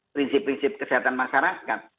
prinsip prinsip kesehatan masyarakat